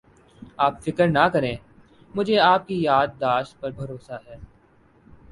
آپ فکر نہ کریں مجھے آپ کی یاد داشت پر بھروسہ ہے